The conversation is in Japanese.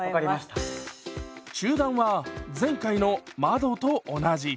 中段は前回の窓と同じ。